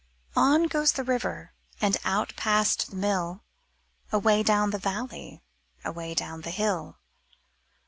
On goes the river And out past the mill. Away down the valley. Away down the hill.